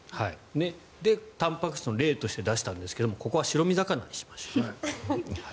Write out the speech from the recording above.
たんぱく質の例として出したんですけどもここは白身魚にしましょう。